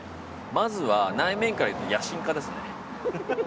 まずは、内面からいうと野心家ですね。